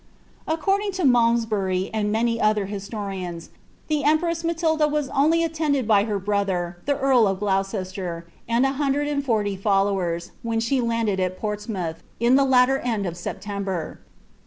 According lo Malmsbury, and many other hbtorians, the empress Halikk waa only attended by her brother, the earl of Gloucester, and a hondrad and forty followers, when she lauded at Portsmouth, in the lutar and of Srpiembcr.